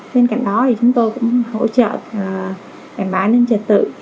bên cạnh đó thì chúng tôi cũng hỗ trợ bản bản nhân trật tự